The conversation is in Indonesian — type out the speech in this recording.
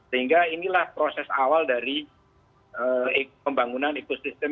sehingga inilah proses awal dari pembangunan ekosistem